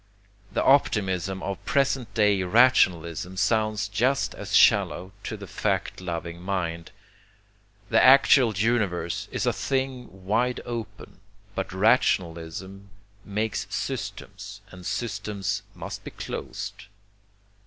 The optimism of present day rationalism sounds just as shallow to the fact loving mind. The actual universe is a thing wide open, but rationalism makes systems, and systems must be closed.